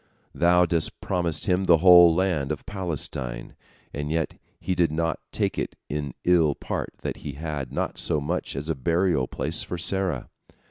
Thou didst promise him the whole land of Palestine, and yet he did not take it in ill part that he had not so much as a burial place for Sarah.